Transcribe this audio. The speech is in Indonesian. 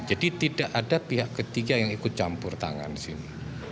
jadi tidak ada pihak ketiga yang ikut campur tangan di sini